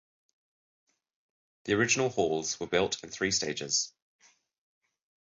The original halls were built in three stages.